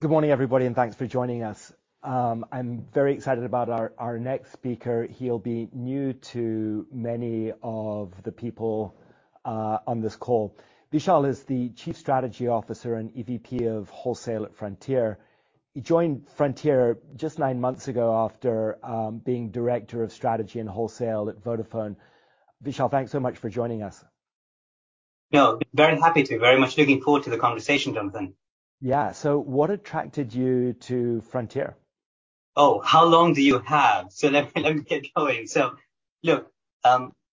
Good morning, everybody, and thanks for joining us. I'm very excited about our next speaker. He'll be new to many of the people on this call. Vishal is the Chief Strategy Officer and EVP of Wholesale at Frontier. He joined Frontier just nine months ago after being Director of Strategy and Wholesale at Vodafone. Vishal, thanks so much for joining us. No, very happy to. Very much looking forward to the conversation, Jonathan. Yeah. What attracted you to Frontier? Oh, how long do you have? Let me get going. Look,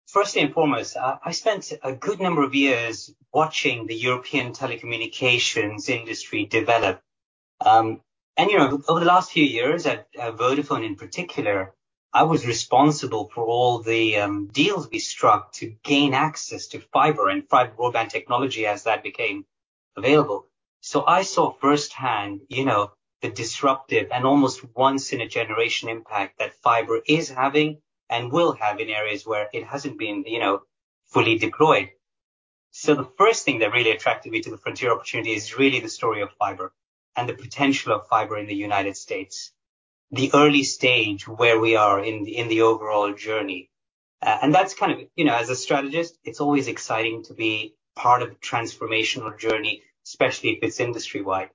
first and foremost, I spent a good number of years watching the European telecommunications industry develop. You know, over the last few years at Vodafone in particular, I was responsible for all the deals we struck to gain access to fiber and fiber broadband technology as that became available. I saw firsthand, you know, the disruptive and almost once in a generation impact that fiber is having and will have in areas where it hasn't been, you know, fully deployed. The first thing that really attracted me to the Frontier opportunity is really the story of fiber and the potential of fiber in the United States, the early stage where we are in the overall journey. That's kind of... You know, as a strategist, it's always exciting to be part of a transformational journey, especially if it's industry-wide.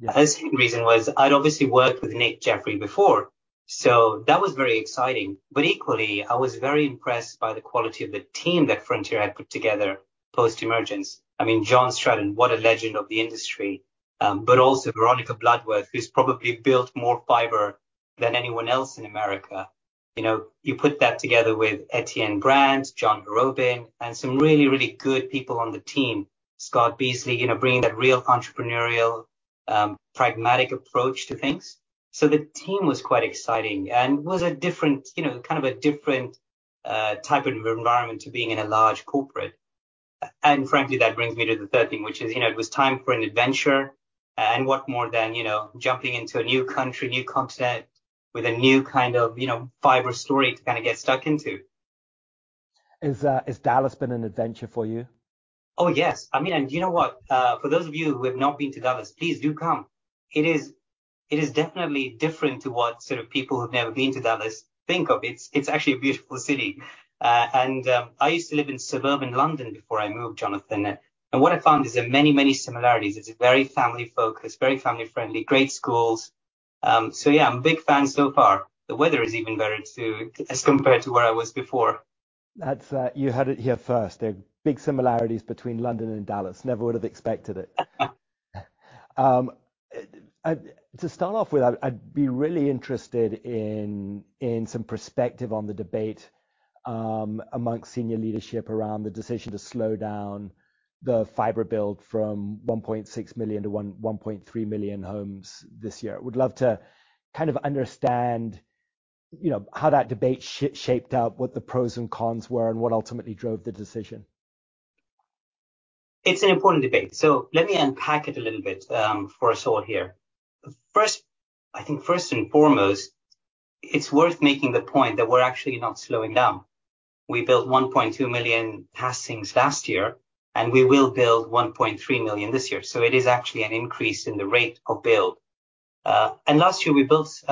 Yeah. The second reason was I'd obviously worked with Nick Jeffery before, so that was very exciting. Equally, I was very impressed by the quality of the team that Frontier had put together post-emergence. I mean, John Stratton, what a legend of the industry. but also Veronica Bloodworth, who's probably built more fiber than anyone else in America. You know, you put that together with Ettienne Brandt, John Harrobin, and some really, really good people on the team. Scott Beasley, you know, bringing that real entrepreneurial, pragmatic approach to things. The team was quite exciting and was a different, you know, kind of a different type of environment to being in a large corporate. Frankly, that brings me to the third thing, which is, you know, it was time for an adventure and what more than, you know, jumping into a new country, new continent with a new kind of, you know, fiber story to kind of get stuck into. Has Dallas been an adventure for you? Oh, yes. I mean, You know what, for those of you who have not been to Dallas, please do come. It is definitely different to what sort of people who've never been to Dallas think of. It's actually a beautiful city. I used to live in suburban London before I moved, Jonathan, and what I found is there are many, many similarities. It's very family focused, very family friendly, great schools. Yeah, I'm a big fan so far. The weather is even better too as compared to where I was before. That's, you heard it here first. There are big similarities between London and Dallas. Never would've expected it. To start off with, I'd be really interested in some perspective on the debate amongst senior leadership around the decision to slow down the fiber build from 1.6 million to 1.3 million homes this year. Would love to kind of understand, you know, how that debate shaped up, what the pros and cons were, and what ultimately drove the decision. It's an important debate, so let me unpack it a little bit, for us all here. I think first and foremost, it's worth making the point that we're actually not slowing down. We built 1.2 million passings last year, and we will build 1.3 million this year, so it is actually an increase in the rate of build. Last year we built,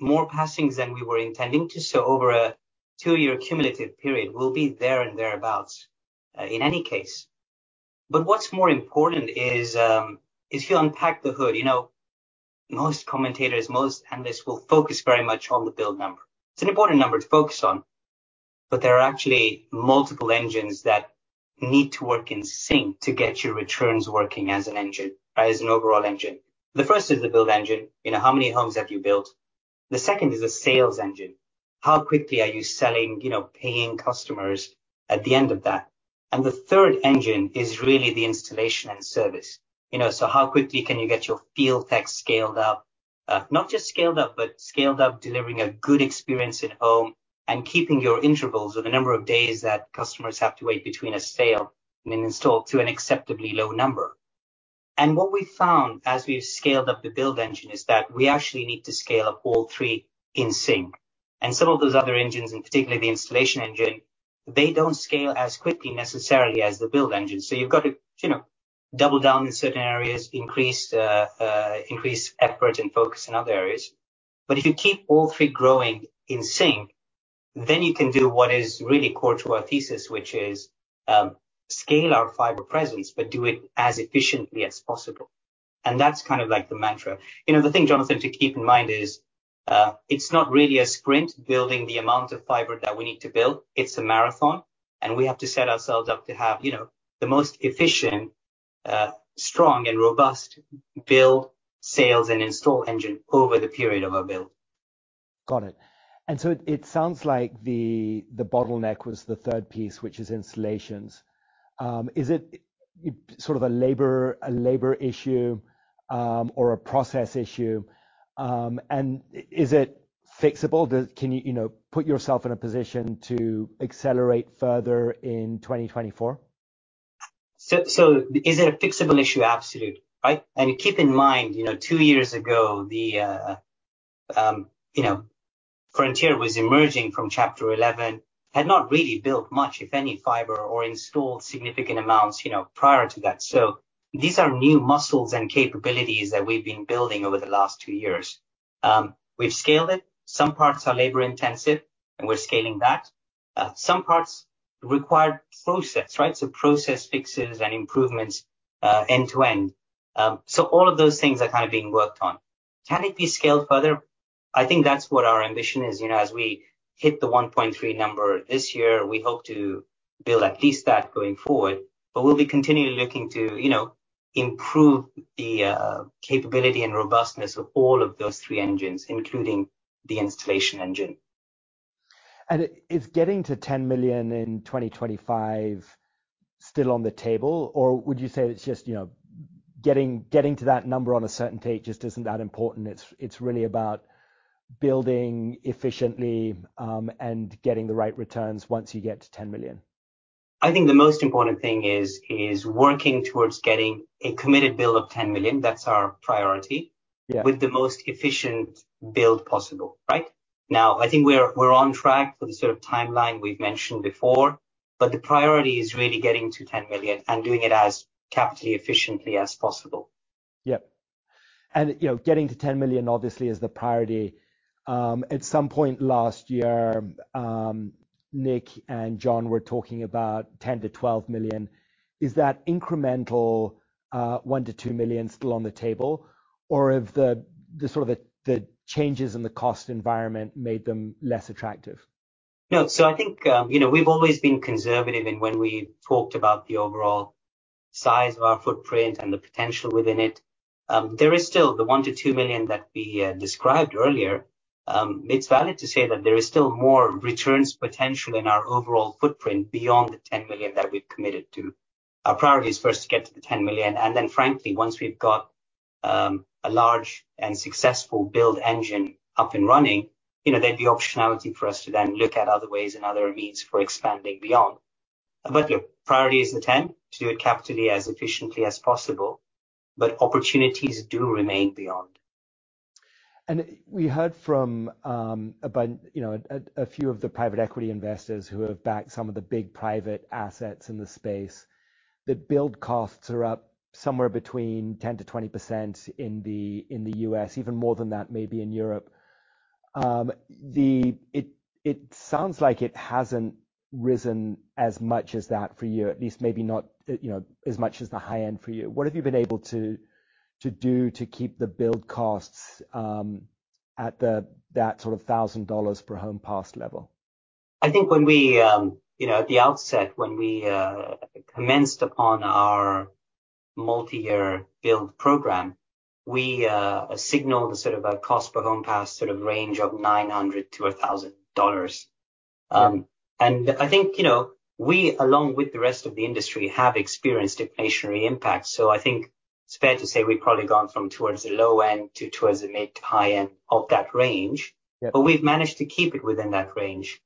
more passings than we were intending to, so over a two-year cumulative period, we'll be there and thereabouts, in any case. What's more important is, if you unpack the hood, you know, most commentators, most analysts will focus very much on the build number. It's an important number to focus on, but there are actually multiple engines that need to work in sync to get your returns working as an engine, as an overall engine. The first is the build engine. You know, how many homes have you built? The second is the sales engine. How quickly are you selling, you know, paying customers at the end of that? The third engine is really the installation and service. You know, how quickly can you get your field tech scaled up? Not just scaled up, but scaled up, delivering a good experience at home and keeping your intervals or the number of days that customers have to wait between a sale and an install to an acceptably low number. What we found as we've scaled up the build engine is that we actually need to scale up all three in sync. Some of those other engines, in particular the installation engine, they don't scale as quickly necessarily as the build engine. You've got to, you know, double down in certain areas, increase effort and focus in other areas. If you keep all three growing in sync, then you can do what is really core to our thesis, which is, scale our fiber presence, but do it as efficiently as possible. That's kind of like the mantra. You know, the thing, Jonathan, to keep in mind is, it's not really a sprint building the amount of fiber that we need to build. It's a marathon, and we have to set ourselves up to have, you know, the most efficient, strong and robust build, sales, and install engine over the period of our build. Got it. It sounds like the bottleneck was the third piece, which is installations. Is it sort of a labor issue, or a process issue? Is it fixable? Can you know, put yourself in a position to accelerate further in 2024? Is it a fixable issue? Absolutely. Right? Keep in mind, you know, two years ago, the, you know, Frontier was emerging from Chapter 11, had not really built much, if any, fiber or installed significant amounts, you know, prior to that. These are new muscles and capabilities that we've been building over the last two years. We've scaled it. Some parts are labor-intensive, and we're scaling that. Some parts require process, right? Process fixes and improvements, end-to-end. All of those things are kinda being worked on. Can it be scaled further? I think that's what our ambition is, you know. As we hit the 1.3 number this year, we hope to build at least that going forward. We'll be continually looking to, you know, improve the capability and robustness of all of those three engines, including the installation engine. Is getting to 10 million in 2025 still on the table, or would you say it's just, you know, getting to that number on a certain date just isn't that important? It's really about building efficiently and getting the right returns once you get to 10 million. I think the most important thing is working towards getting a committed build of 10 million. That's our priority. Yeah. With the most efficient build possible. Right? Now, I think we're on track for the sort of timeline we've mentioned before, but the priority is really getting to 10 million and doing it as capitally efficiently as possible. You know, getting to $10 million obviously is the priority. At some point last year, Nick and John were talking about $10 million-$12 million. Is that incremental $1 million-$2 million still on the table or have the changes in the cost environment made them less attractive? No. I think, you know, we've always been conservative in when we've talked about the overall size of our footprint and the potential within it. There is still the $1 million-$2 million that we described earlier. It's valid to say that there is still more returns potential in our overall footprint beyond the $10 million that we've committed to. Our priority is first to get to the $10 million, and then frankly, once we've got a large and successful build engine up and running, you know, there'd be optionality for us to then look at other ways and other means for expanding beyond. Look, priority is the 10, to do it capitally as efficiently as possible, but opportunities do remain beyond. We heard from, you know, a few of the private equity investors who have backed some of the big private assets in the space that build costs are up somewhere between 10%-20% in the, in the U.S., even more than that maybe in Europe. It sounds like it hasn't risen as much as that for you, at least maybe not, you know, as much as the high end for you. What have you been able to do to keep the build costs, at that sort of $1,000 per home passed level? I think when we, you know, at the outset, when we commenced upon our multi-year build program, we signaled a sort of a cost per home passed sort of range of $900-$1,000. Yeah. I think, you know, we, along with the rest of the industry, have experienced inflationary impacts. I think it's fair to say we've probably gone from towards the low end to towards the mid to high end of that range. Yeah. We've managed to keep it within that range.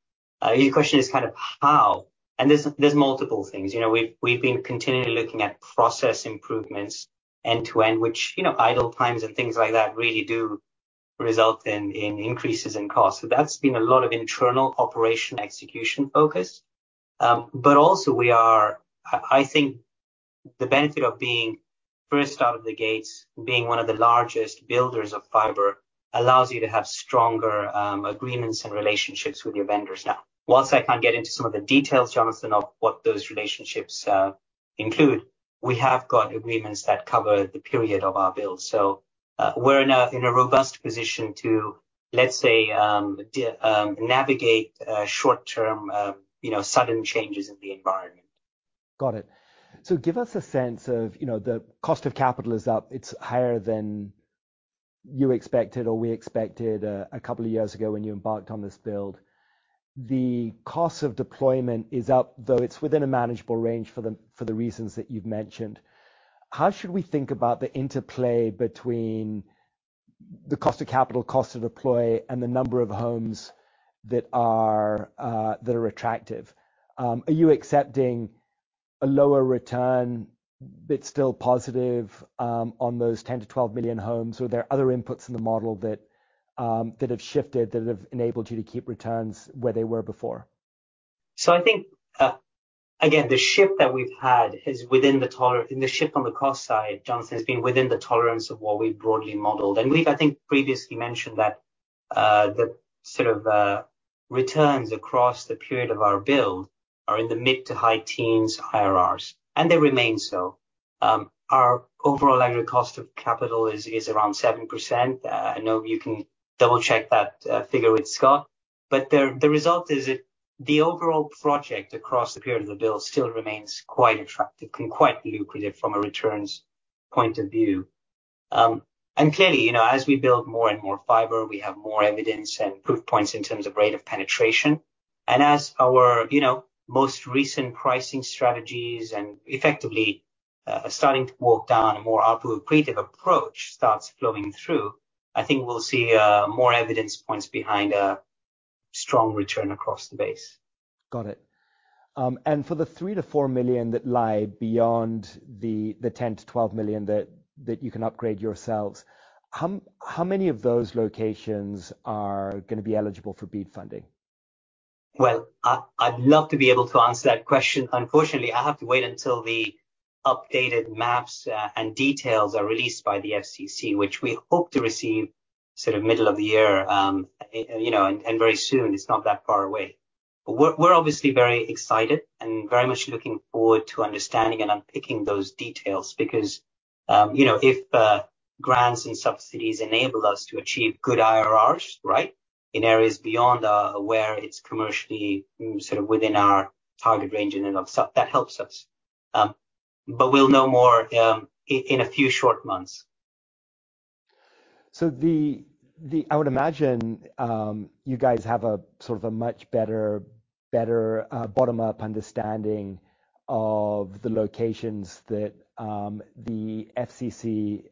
Your question is kind of how, and there's multiple things. You know, we've been continually looking at process improvements end-to-end, which, you know, idle times and things like that really do result in increases in cost. That's been a lot of internal operation execution focus. Also, I think the benefit of being first out of the gates, being one of the largest builders of fiber, allows you to have stronger agreements and relationships with your vendors now. Whilst I can't get into some of the details, Jonathan, of what those relationships include, we have got agreements that cover the period of our build. We're in a robust position to, let's say, navigate short-term, you know, sudden changes in the environment. Got it. give us a sense of, you know, the cost of capital is up. It's higher than you expected or we expected a couple of years ago when you embarked on this build. The cost of deployment is up, though it's within a manageable range for the, for the reasons that you've mentioned. How should we think about the interplay between the cost of capital, cost to deploy, and the number of homes that are that are attractive? Are you accepting a lower return but still positive on those 10 million-12 million homes? Or are there other inputs in the model that have shifted, that have enabled you to keep returns where they were before? I think, again, the shift on the cost side, Jonathan, has been within the tolerance of what we've broadly modeled. We've, I think, previously mentioned that, the sort of, returns across the period of our build are in the mid to high teens IRRs, and they remain so. Our overall aggregate cost of capital is around 7%. I know you can double-check that figure with Scott. The result is that the overall project across the period of the build still remains quite attractive and quite lucrative from a returns point of view. Clearly, you know, as we build more and more fiber, we have more evidence and proof points in terms of rate of penetration. As our, you know, most recent pricing strategies and effectively, starting to walk down a more output-accretive approach starts flowing through, I think we'll see more evidence points behind a strong return across the base. Got it. For the $3 million-$4 million that lie beyond the $10 million-$12 million that you can upgrade yourselves, how many of those locations are gonna be eligible for BEAD funding? I'd love to be able to answer that question. Unfortunately, I have to wait until the updated maps and details are released by the FCC, which we hope to receive sort of middle of the year, you know, and very soon. It's not that far away. We're obviously very excited and very much looking forward to understanding and unpicking those details because, you know, if grants and subsidies enable us to achieve good IRRs, right, in areas beyond where it's commercially sort of within our target range and then that helps us. We'll know more in a few short months. I would imagine, you guys have a sort of a much better bottom-up understanding of the locations that the FCC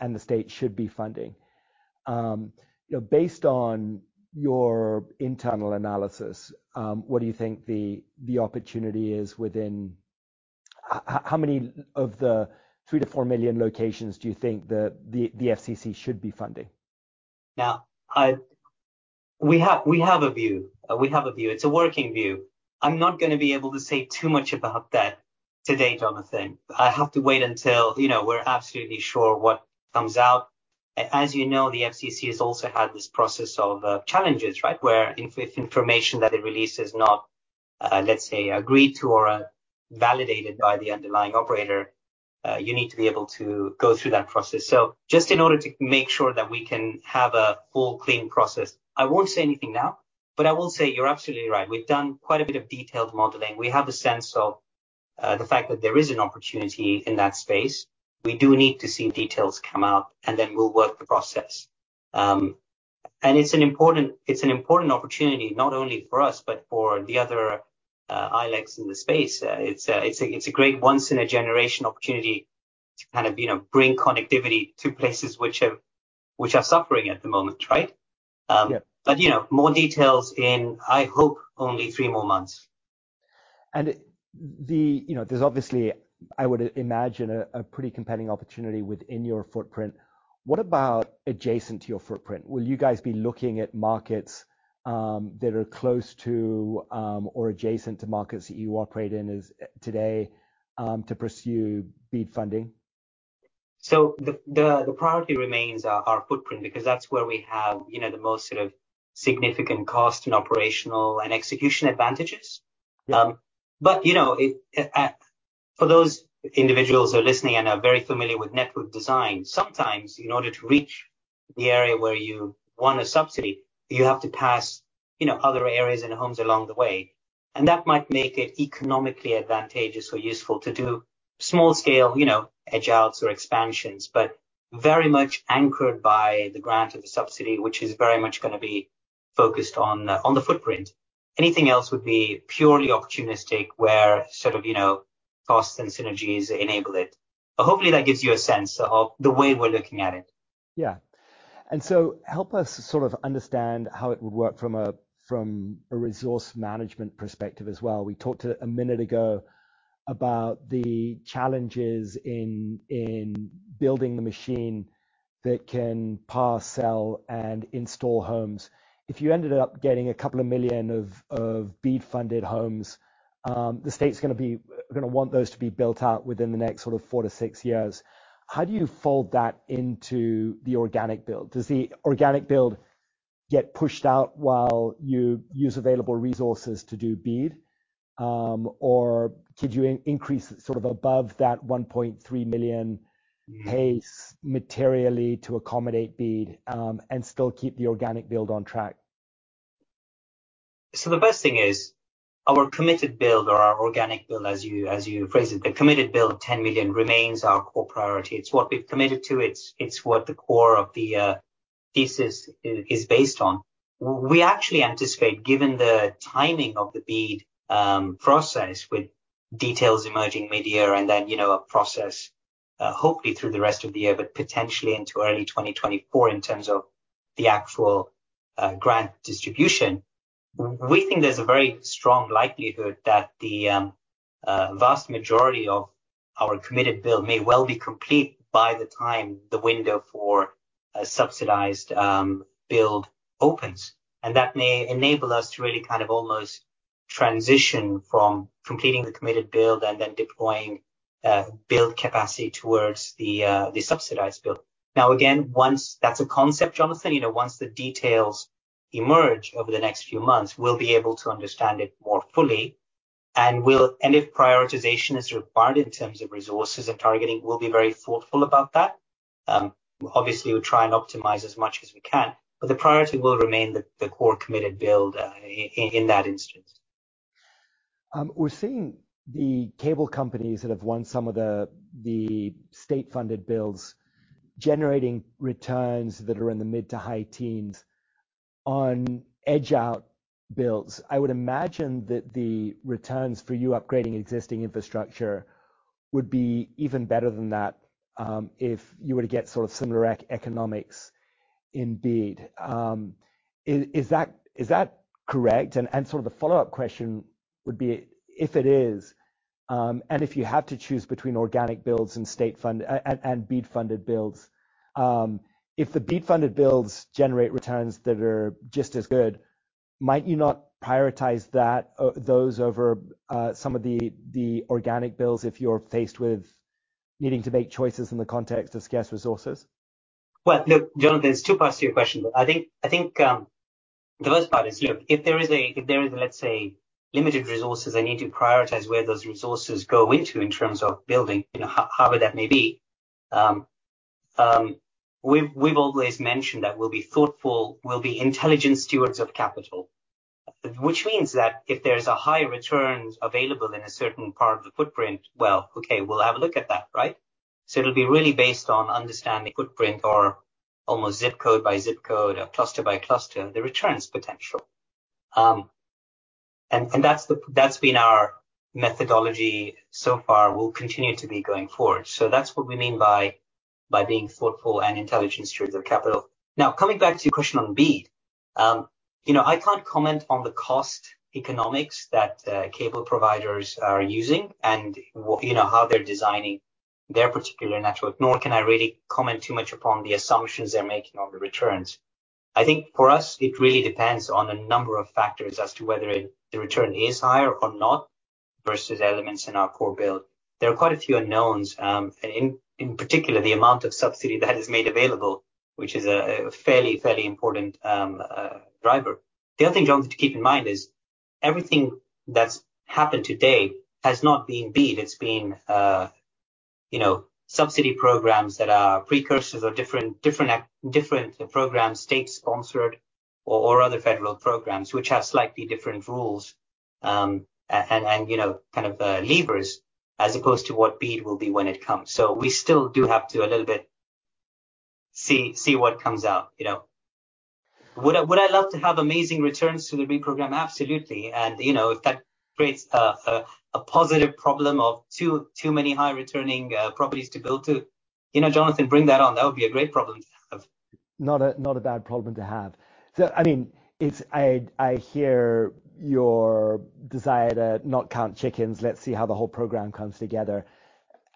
and the state should be funding. You know, based on your internal analysis, how many of the 3 million-4 million locations do you think the FCC should be funding? Now, we have a view. We have a view. It's a working view. I'm not gonna be able to say too much about that today, Jonathan. I have to wait until, you know, we're absolutely sure what comes out. As you know, the FCC has also had this process of challenges, right? Where if information that it releases not, let's say, agreed to or validated by the underlying operator, you need to be able to go through that process. Just in order to make sure that we can have a full, clean process, I won't say anything now, but I will say you're absolutely right. We've done quite a bit of detailed modeling. We have a sense of the fact that there is an opportunity in that space. We do need to see details come out, and then we'll work the process. It's an important opportunity not only for us, but for the other ILECs in the space. It's a great once in a generation opportunity to kind of, you know, bring connectivity to places which are suffering at the moment, right? Yeah. you know, more details in, I hope, only three more months. The, you know, there's obviously, I would imagine, a pretty compelling opportunity within your footprint. What about adjacent to your footprint? Will you guys be looking at markets that are close to or adjacent to markets that you operate in as today to pursue BEAD funding? The priority remains our footprint because that's where we have, you know, the most sort of significant cost and operational and execution advantages. Yeah. You know, it and for those individuals who are listening and are very familiar with network design, sometimes in order to reach the area where you want a subsidy, you have to pass, you know, other areas and homes along the way, and that might make it economically advantageous or useful to do small scale, you know, edge outs or expansions, but very much anchored by the grant of the subsidy, which is very much gonna be focused on the footprint. Anything else would be purely opportunistic, where sort of, you know, costs and synergies enable it. Hopefully that gives you a sense of the way we're looking at it. Yeah. Help us sort of understand how it would work from a resource management perspective as well. We talked a minute ago about the challenges in building the machine that can parse, sell, and install homes. If you ended up getting 2 million of BEAD-funded homes, the state's gonna be gonna want those to be built out within the next sort of 4-6 years. How do you fold that into the organic build? Does the organic build get pushed out while you use available resources to do BEAD, or could you increase it sort of above that 1.3 million pace materially to accommodate BEAD, and still keep the organic build on track? The best thing is our committed build or our organic build, as you phrased it, the committed build of 10 million remains our core priority. It's what we've committed to. It's what the core of the thesis is based on. We actually anticipate, given the timing of the BEAD process with details emerging midyear and then, you know, a process hopefully through the rest of the year, but potentially into early 2024 in terms of the actual grant distribution, we think there's a very strong likelihood that the vast majority of our committed build may well be complete by the time the window for a subsidized build opens. That may enable us to really kind of almost transition from completing the committed build and then deploying build capacity towards the subsidized build. That's a concept, Jonathan. You know, once the details emerge over the next few months, we'll be able to understand it more fully and if prioritization is required in terms of resources and targeting, we'll be very thoughtful about that. Obviously, we'll try and optimize as much as we can, but the priority will remain the core committed build in that instance. We're seeing the cable companies that have won some of the state-funded builds generating returns that are in the mid to high teens on edge-out builds. I would imagine that the returns for you upgrading existing infrastructure would be even better than that, if you were to get sort of similar economics in BEAD. Is that correct? Sort of the follow-up question would be, if it is, and if you have to choose between organic builds and state-funded and BEAD-funded builds, if the BEAD-funded builds generate returns that are just as good, might you not prioritize that, those over, some of the organic builds if you're faced with needing to make choices in the context of scarce resources? Look, Jonathan, there's two parts to your question. I think, the first part is, look, if there is, let's say, limited resources, I need to prioritize where those resources go into in terms of building, you know, however that may be. We've always mentioned that we'll be thoughtful, we'll be intelligent stewards of capital. Which means that if there's a high return available in a certain part of the footprint, well, okay, we'll have a look at that, right? So it'll be really based on understanding footprint or almost zip code by zip code or cluster by cluster, the returns potential. That's been our methodology so far. We'll continue to be going forward. So that's what we mean by being thoughtful and intelligent stewards of capital. Coming back to your question on BEAD, you know, I can't comment on the cost economics that cable providers are using and you know, how they're designing their particular network, nor can I really comment too much upon the assumptions they're making on the returns. I think for us it really depends on a number of factors as to whether the return is higher or not versus elements in our core build. There are quite a few unknowns, and in particular, the amount of subsidy that is made available, which is a fairly important driver. The other thing, Jonathan, to keep in mind is everything that's happened today has not been BEAD. It's been, you know, subsidy programs that are precursors or different programs, state-sponsored or other federal programs, which have slightly different rules, and you know, kind of, levers, as opposed to what BEAD will be when it comes. We still do have to a little bit see what comes out, you know. Would I, would I love to have amazing returns to the BEAD program? Absolutely. You know, if that creates a, a positive problem of too many high returning, properties to build to, you know, Jonathan, bring that on. That would be a great problem to have. Not a, not a bad problem to have. I mean, I hear your desire to not count chickens. Let's see how the whole program comes together.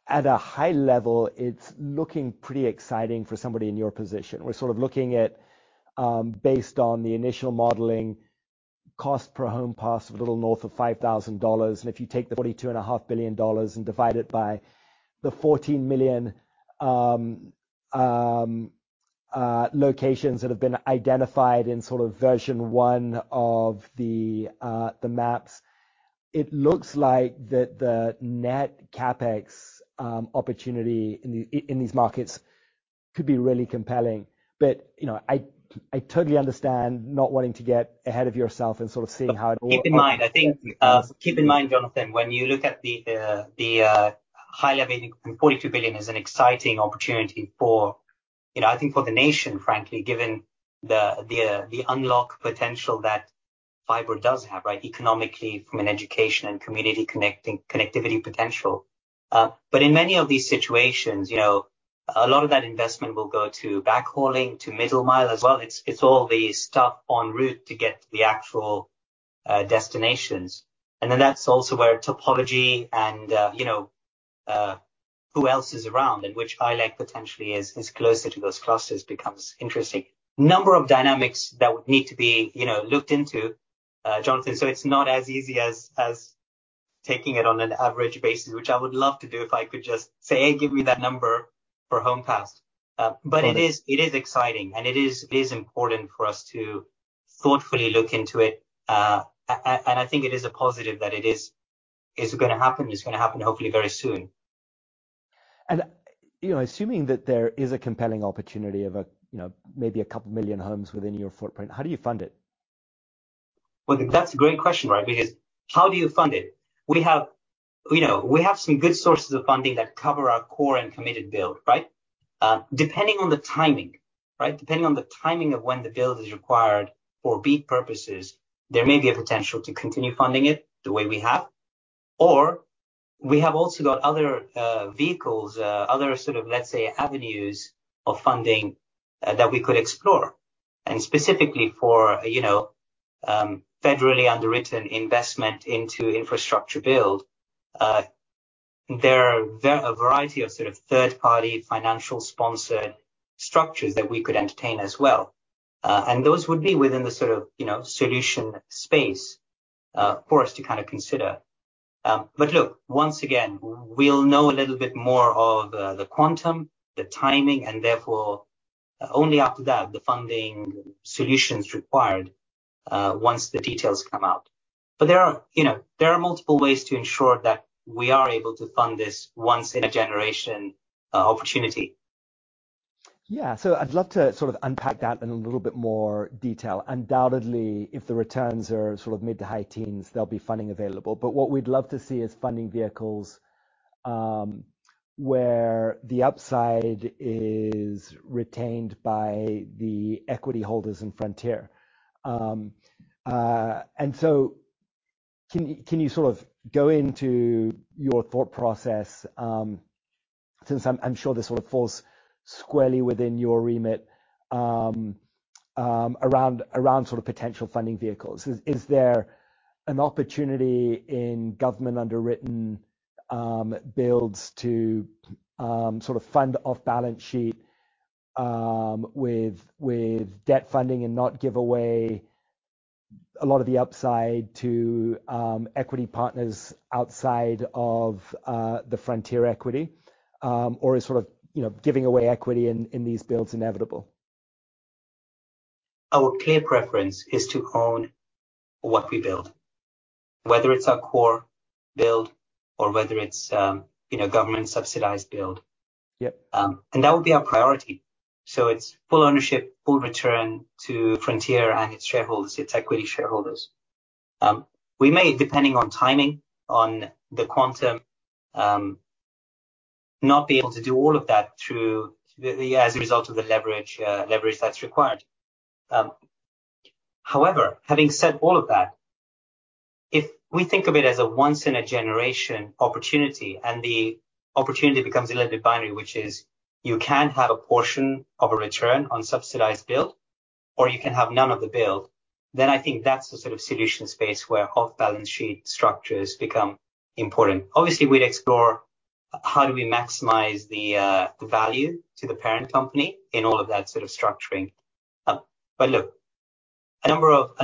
At a high level, it's looking pretty exciting for somebody in your position. We're sort of looking at, based on the initial modeling, cost per home passed a little north of $5,000. If you take the $42.5 billion and divide it by the 14 million locations that have been identified in sort of version one of the maps, it looks like the net CapEx opportunity in these markets could be really compelling. You know, I totally understand not wanting to get ahead of yourself and sort of seeing how it all. Keep in mind, I think, keep in mind, Jonathan, when you look at the, high-level, $42 billion is an exciting opportunity for, you know, I think for the nation, frankly, given the, the unlock potential that fiber does have, right? Economically from an education and community connectivity potential. In many of these situations, you know, a lot of that investment will go to backhauling, to middle mile as well. It's all the stuff en route to get to the actual, destinations. Then that's also where topology and, you know, who else is around and which ILEC potentially is closer to those clusters becomes interesting. Number of dynamics that would need to be, you know, looked into, Jonathan. It's not as easy as taking it on an average basis, which I would love to do if I could just say, "Give me that number for home passed." It is exciting, and it is important for us to thoughtfully look into it. I think it is a positive that it's gonna happen. It's gonna happen hopefully very soon. you know, assuming that there is a compelling opportunity of, you know, maybe a couple million homes within your footprint, how do you fund it? Well, that's a great question, right? Because how do you fund it? We have, you know, we have some good sources of funding that cover our core and committed build, right? Depending on the timing, right? Depending on the timing of when the build is required for BEAD purposes, there may be a potential to continue funding it the way we have. We have also got other vehicles, other sort of, let's say, avenues of funding that we could explore. Specifically for, you know, federally underwritten investment into infrastructure build, there are a variety of sort of third-party financial sponsored structures that we could entertain as well. Those would be within the sort of, you know, solution space, for us to kind of consider. Look, once again, we'll know a little bit more of the quantum, the timing, and therefore only after that, the funding solutions required, once the details come out. There are, you know, there are multiple ways to ensure that we are able to fund this once in a generation, opportunity. I'd love to sort of unpack that in a little bit more detail. Undoubtedly, if the returns are sort of mid to high teens, there'll be funding available. What we'd love to see is funding vehicles, where the upside is retained by the equity holders in Frontier. Can you sort of go into your thought process, since I'm sure this sort of falls squarely within your remit, around sort of potential funding vehicles. Is there an opportunity in government underwritten builds to sort of fund off-balance sheet with debt funding and not give away a lot of the upside to equity partners outside of the Frontier equity? Is sort of, you know, giving away equity in these builds inevitable? Our clear preference is to own what we build, whether it's our core build or whether it's, you know, government subsidized build. Yep. That would be our priority. It's full ownership, full return to Frontier and its shareholders, its equity shareholders. We may, depending on timing, on the quantum, not be able to do all of that through the, as a result of the leverage that's required. Having said all of that, if we think of it as a once in a generation opportunity, the opportunity becomes a little bit binary, which is you can have a portion of a return on subsidized build, or you can have none of the build, I think that's the sort of solution space where off-balance sheet structures become important. We'd explore how do we maximize the value to the parent company in all of that sort of structuring. Look, a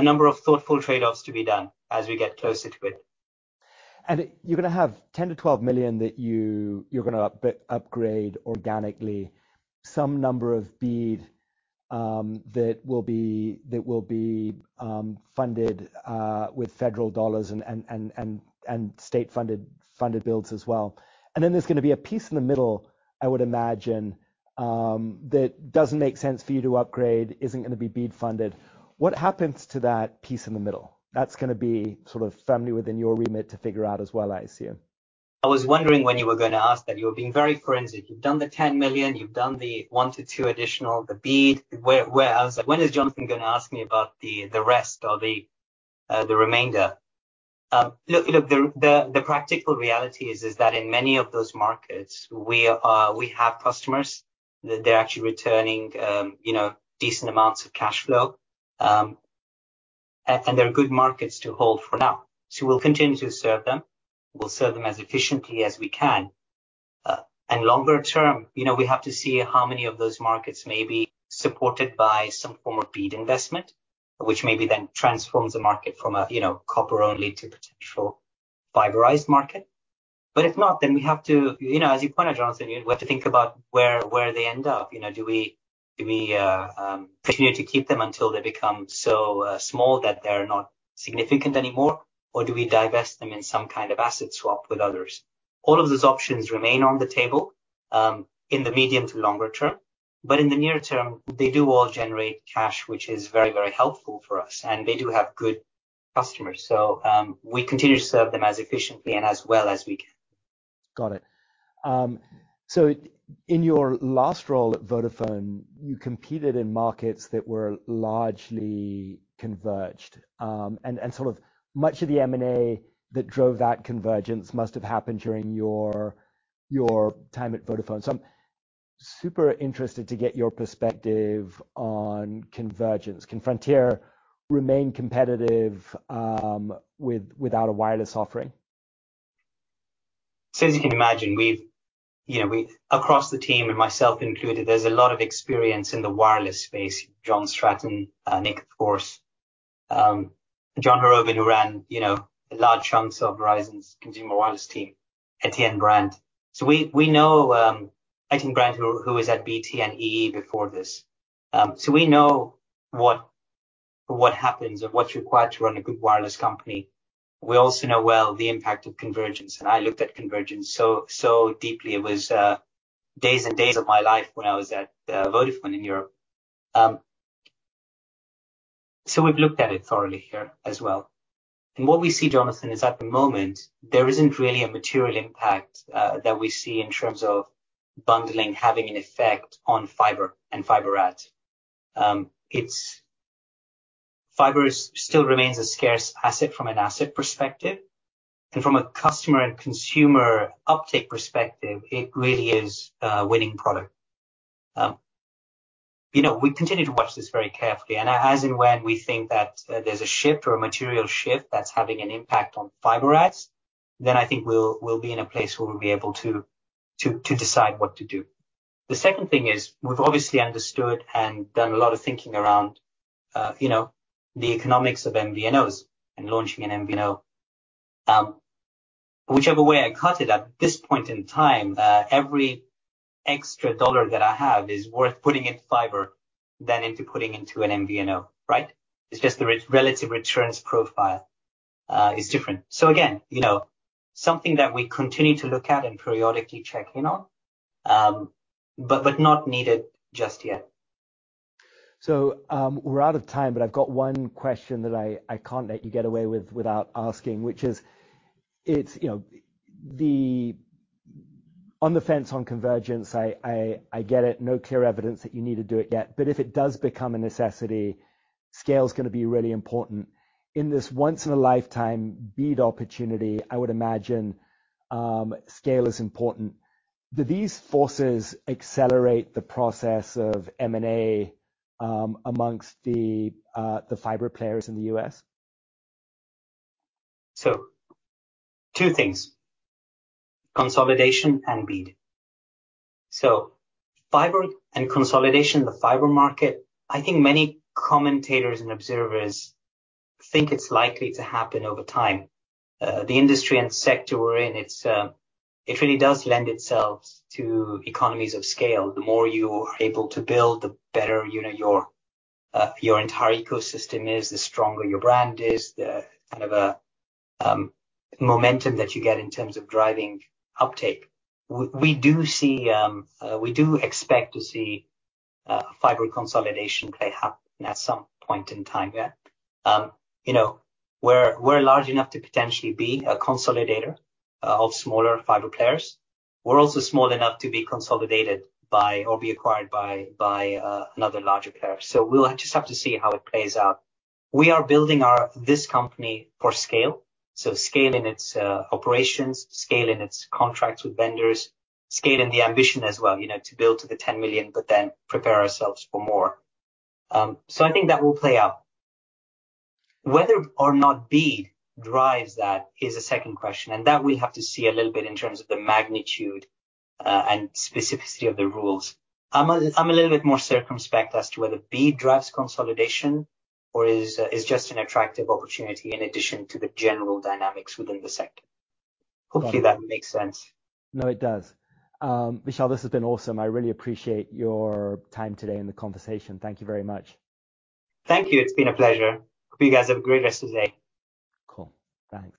number of thoughtful trade-offs to be done as we get closer to it. You're gonna have 10 million-12 million that you're gonna upgrade organically some number of BEAD, that will be funded with federal dollars and state-funded builds as well. Then there's gonna be a piece in the middle, I would imagine, that doesn't make sense for you to upgrade, isn't gonna be BEAD funded. What happens to that piece in the middle? That's gonna be sort of firmly within your remit to figure out as well, I assume. I was wondering when you were gonna ask that. You were being very forensic. You've done the $10 million, you've done the 1-2 additional, the BEAD. Where I was like, "When is Jonathan gonna ask me about the rest or the remainder?" Look, the practical reality is that in many of those markets, we have customers that they're actually returning, you know, decent amounts of cash flow. They're good markets to hold for now. We'll continue to serve them. We'll serve them as efficiently as we can. Longer term, you know, we have to see how many of those markets may be supported by some form of BEAD investment, which maybe then transforms the market from a, you know, copper only to potential fiberized market. If not, then we have to, you know, as you pointed, Jonathan, you have to think about where they end up. You know, do we continue to keep them until they become so small that they're not significant anymore, or do we divest them in some kind of asset swap with others? All of those options remain on the table in the medium to longer term. In the near term, they do all generate cash, which is very, very helpful for us, and they do have good customers. We continue to serve them as efficiently and as well as we can. Got it. In your last role at Vodafone, you competed in markets that were largely converged. And sort of much of the M&A that drove that convergence must have happened during your time at Vodafone. I'm super interested to get your perspective on convergence. Can Frontier remain competitive, without a wireless offering? As you can imagine, we've, you know, across the team and myself included, there's a lot of experience in the wireless space. John Stratton, Nick Jeffery, John Harrobin, who ran, you know, large chunks of Verizon's consumer wireless team, Ettienne Brandt. We know, Ettienne Brandt, who was at BT and EE before this. We know what happens or what's required to run a good wireless company. We also know well the impact of convergence, and I looked at convergence so deeply. It was days and days of my life when I was at Vodafone in Europe. We've looked at it thoroughly here as well. What we see, Jonathan, is at the moment, there isn't really a material impact that we see in terms of bundling having an effect on fiber and fiber ads. Fiber is, still remains a scarce asset from an asset perspective. From a customer and consumer uptick perspective, it really is a winning product. You know, we continue to watch this very carefully and as in when we think that there's a shift or a material shift that's having an impact on fiber ads, then I think we'll be in a place where we'll be able to decide what to do. The second thing is we've obviously understood and done a lot of thinking around, you know, the economics of MVNOs and launching an MVNO. Whichever way I cut it, at this point in time, every extra dollar that I have is worth putting into fiber than into putting into an MVNO, right? It's just the re-relative returns profile is different. Again, you know, something that we continue to look at and periodically check in on, but not needed just yet. We're out of time, but I've got one question that I can't let you get away with without asking, which is, you know, on the fence on convergence, I, I get it, no clear evidence that you need to do it yet, but if it does become a necessity, scale is gonna be really important. In this once-in-a-lifetime BEAD opportunity, I would imagine, scale is important. Do these forces accelerate the process of M&A, amongst the fiber players in the U.S.? Two things: consolidation and BEAD. Fiber and consolidation, the fiber market, I think many commentators and observers think it's likely to happen over time. The industry and sector we're in, it's, it really does lend itself to economies of scale. The more you are able to build, the better, you know, your entire ecosystem is, the stronger your brand is, the kind of momentum that you get in terms of driving uptake. We do see, we do expect to see fiber consolidation play out at some point in time, yeah. You know, we're large enough to potentially be a consolidator of smaller fiber players. We're also small enough to be consolidated by or be acquired by another larger player. We'll just have to see how it plays out. We are building our... this company for scale, so scale in its operations, scale in its contracts with vendors, scale in the ambition as well, you know, to build to the 10 million, but then prepare ourselves for more. I think that will play out. Whether or not BEAD drives that is a second question, and that we have to see a little bit in terms of the magnitude and specificity of the rules. I'm a little bit more circumspect as to whether BEAD drives consolidation or is just an attractive opportunity in addition to the general dynamics within the sector. Hopefully, that makes sense. No, it does. Vishal, this has been awesome. I really appreciate your time today and the conversation. Thank you very much. Thank you. It's been a pleasure. Hope you guys have a great rest of the day. Cool. Thanks.